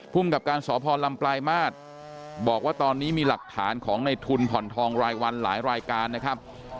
กับการสพลำปลายมาตรบอกว่าตอนนี้มีหลักฐานของในทุนผ่อนทองรายวันหลายรายการนะครับ